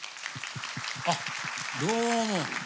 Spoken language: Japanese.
あっどうも。